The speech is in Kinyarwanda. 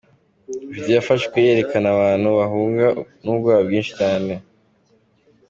Video yafashwe yerekanye abantu bahunga n’ubwoba bwinshi cyane.